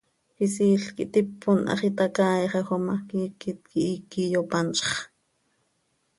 Quisiil quih tipon, hax itacaaixaj oo ma, quiiquet quih íiqui yopanzx.